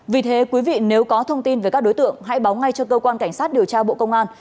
vì thế quý vị nếu có thông tin về các đối tượng hãy báo ngay cho cơ quan cảnh sát điều tra bộ công an